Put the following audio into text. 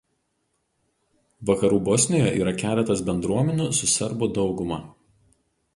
Vakarų Bosnijoje yra keletas bendruomenių su serbų dauguma.